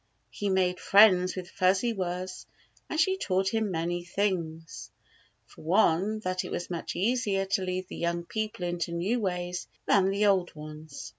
He made friends with Fuzzy Wuzz, and she taught him many things. For one, that it was much easier to lead the young people into new ways than the old ones.